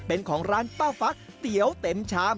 เป็นของร้านป้าฟักเตี๋ยวเต็มชาม